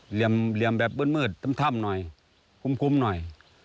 เหลี่ยมแบบมืดค่ำหน่อยคุ้มหน่อย